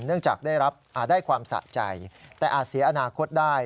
เนื่องจากได้รับอาจได้ความสะใจแต่อาจเสียอนาคตได้